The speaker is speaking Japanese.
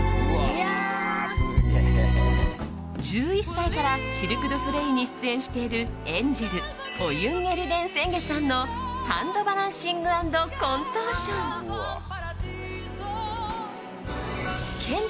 １１歳からシルク・ドゥ・ソレイユに出演しているエンジェルオユン・エルデン・センゲさんのハンドバランシング＆コントーション。